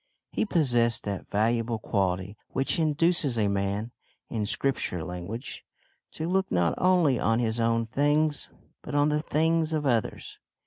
He possessed that valuable quality which induces a man in Scripture language to look not only on his own things but on the things of others.